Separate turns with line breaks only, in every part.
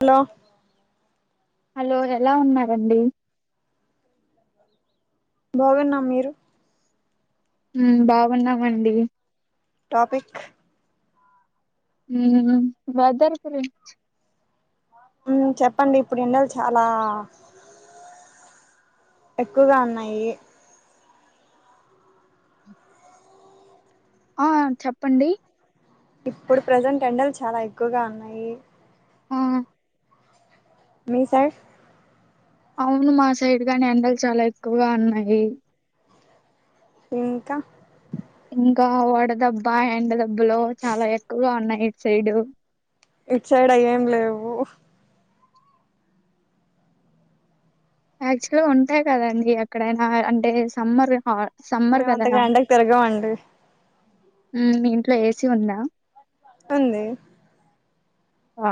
hello
hello ఎలా ఉన్నారండి
బాగున్నా మీరు
ఊ బాగున్నామండి
టాపిక్
ఉమ్ బదర్ గురించి
చెప్పండి ఇప్పుడు ఎండలు చాలా ఎక్కువగా ఉన్నాయి
ఆ చెప్పండి
ఇప్పుడు ప్రజెంట్ ఎండలు చాలా ఎక్కువగా ఉన్నాయి
ఆ
మీ సైడ్
అవును మా సైడ్ గానీ ఎండలు చాలా ఎక్కువగా ఉన్నాయి
ఇంకా
ఇంకా వడదబ్బా ఎండ దబ్బలో చాలా ఎక్కువగా ఉన్నాయి ఇటు సైడు
ఇ సైడ్ ఏం లేవు
యాక్చువల్గా ఉంటాయి కదండి ఎక్కడైనా అంటే సమ్మర్ సమ్మర్
మేము
కదా
అంతగా ఎండకి తిరగామండి
మీ ఇంట్లో ఏసీ ఉందా
అంది
ఆ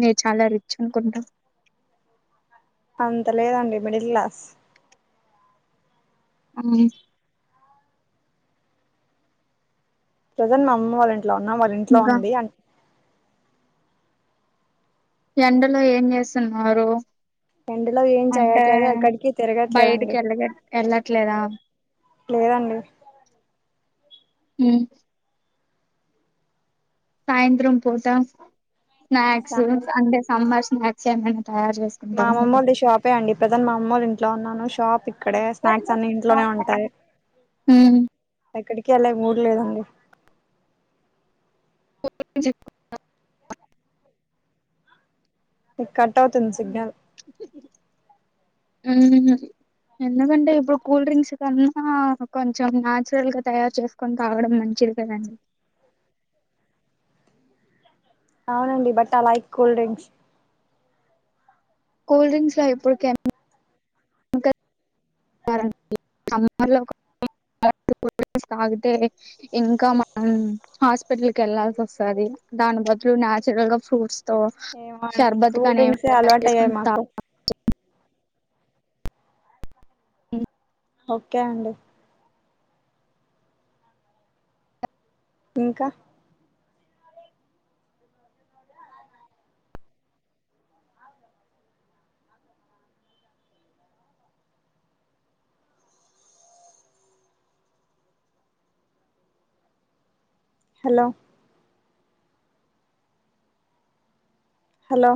నేను చాలా రిచ్ అనుకుంటా
అంత లేదండి మిడిల్ క్లాస్
అవు
చజన్ మా అమ్మ వాళంట ఇంట్లో ఉన్నా మరి ఇంట్లో
ఇంకా
ఉంది అంటే
ఎండలో ఏం చేస్తున్నారు
ఎండలో ఏం
అంటే
చేయట్లేదు అక్కడికి
బయటికి
తిరగట్లేదండి
వెళ్ళ ఎళ్ళట్లేదా
లేదండి
ఊ సాయంత్రం పూట స్నాక్స్
సాయ
అంటే సమ్మర్ ఆబ్సెంట్ హా
మా అమ్మమ్మోళ్ళది షాపే అండి ప్రెసెంట్ మా అమ్మోళ్ళింట్లో ఉన్నాను టాపి
ఊ
ఎక్కడికి అలాగ మూడు లేదండి
[inaudible]
కట్ అవుతుంది సిగ్నల్
హు ఎందుకంటే ఇప్పుడు కూల్ డ్రింక్స్ కన్నా కొంచెం న్యాచురల్గా తయారు చేసుకొని తగడం మంచిది కదండి
అవునండి but I like cool drinks
cool drinks ఏ ఇప్పుడు కెం [inaudible] తాగితే ఇంకా మనం హాస్పిటల్ కి ఎళ్లాల్సి వస్తాది దాని బదులు నాచురల్ గా ఫ్రూట్స్ తో
ఏమో అండి
షర్బత్
కూల్
కానీ
డ్రింక్స్ ఏ
ఏమైనా తయారు
అలవాటయ్యాయి
చేసుకొని
మాకు
తాగి
ఓకే అండి ఇంకా హలో హలో